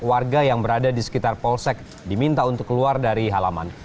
warga yang berada di sekitar polsek diminta untuk keluar dari halaman